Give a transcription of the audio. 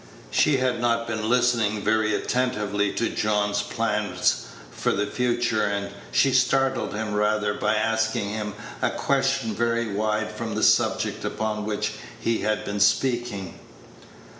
She had not been listening very attentively to John's plans for the future, and she startled him rather by asking him a question very wide from the subject upon which he had been speaking.